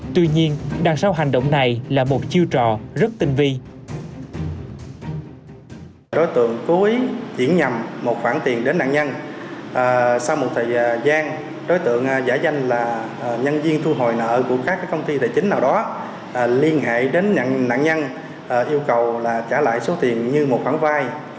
tuy nhiên đằng sau hành động này là một chiêu trò rất tinh vi